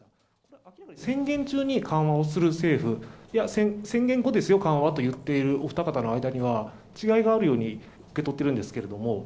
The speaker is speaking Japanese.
宣言中に緩和をする政府や、宣言後ですよ、緩和と言っているお二方の間には違いがあるように受け取っている